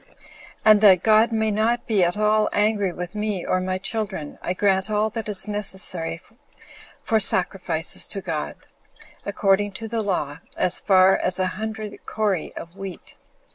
And that God may not be at all angry with me, or with my children, I grant all that is necessary for sacrifices to God, according to the law, as far as a hundred cori of wheat.